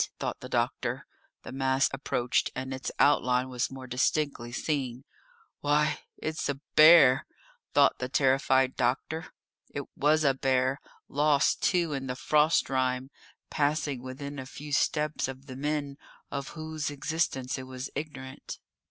thought the doctor. The mass approached, and its outline was more distinctly seen. "Why, it's a bear!" thought the terrified doctor. It was a bear, lost too in the frost rime, passing within a few steps of the men of whose existence it was ignorant.